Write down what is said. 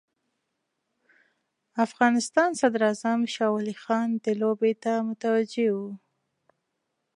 افغانستان صدراعظم شاه ولي خان دې لوبې ته متوجه وو.